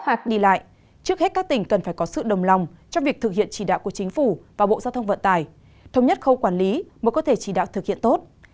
hạn đi lại trước hết các tỉnh cần phải có sự đồng lòng trong việc thực hiện chỉ đạo của chính phủ và bộ giao thông vận tải thống nhất khâu quản lý mới có thể chỉ đạo thực hiện tốt